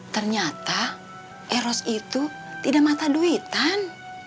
ternyata eros itu tidak mata duitan